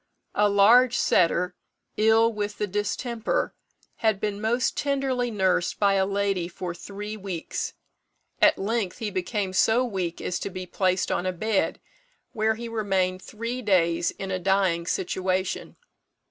A large setter, ill with the distemper, had been most tenderly nursed by a lady for three weeks. At length he became so weak as to be placed on a bed, where he remained three days in a dying situation.